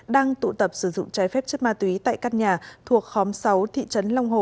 đang tụ tập sử dụng trái phép chất ma túy tại các nhà thuộc khóm sáu thị trấn long hồ